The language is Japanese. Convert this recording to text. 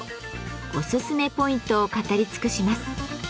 おすすめポイントを語り尽くします。